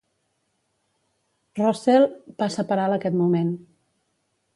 Russell passa per alt aquest moment.